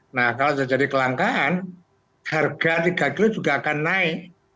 nah kalau sudah jadi kelangkaan harga tiga kg juga akan naik